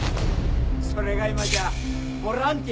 それが今じゃボランティアだ？